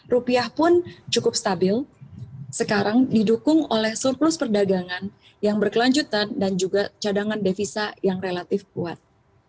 rupiah pun cukup stabil sekarang didukung oleh surplus perdagangan yang berkelanjutan dan juga cadangan devisa yang relatif kuat